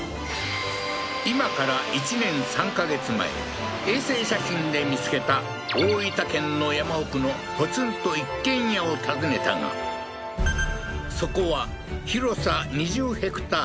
今から衛星写真で見つけた大分県の山奥のポツンと一軒家を訪ねたがそこは広さ２０ｈａ